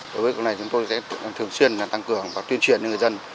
đối với cuộc này chúng tôi sẽ thường xuyên tăng cường và tuyên truyền cho người dân